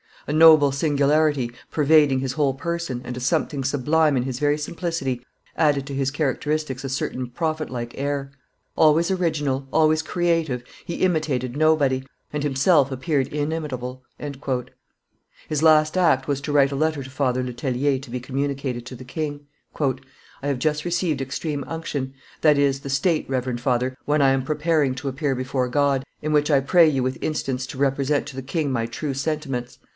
A noble singularity, pervading his whole person, and a something sublime in his very simplicity, added to his characteristics a certain prophet like air. Always original, always creative, he imitated nobody, and himself appeared inimitable." His last act was to write a letter to Father Le Tellier to be communicated to the king. "I have just received extreme unction; that is, the state, reverend father, when I am preparing to appear before God, in which I pray you with instance to represent to the king my true sentiments.